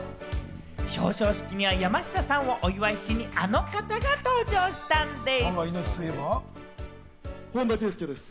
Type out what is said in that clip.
表彰式には山下さんをお祝いしに、あの方が登場したんです。